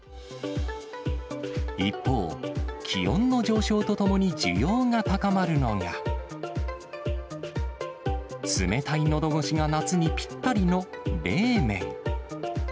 一方、気温の上昇とともに需要が高まるのが、冷たいのどごしが夏にぴったりの冷麺。